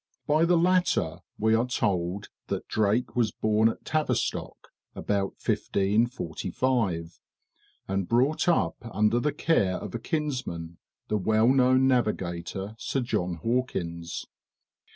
By the latter we are told that Drake was born at Tavistock, about 1545, and brought up under the care of a kinsman, the well known navigator, Sir John Hawkins.